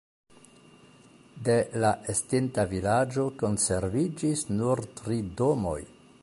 De la estinta vilaĝo konserviĝis nur tri domoj.